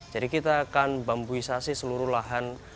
jadi kita akan bambuisasi seluruh lahan